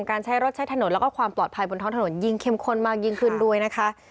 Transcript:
การใช้รถใช้ถนนแล้วก็ความปลอดภัยบนท้องถนนยิ่งเข้มข้นมากยิ่งขึ้นด้วยนะคะ